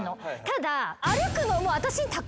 ただ。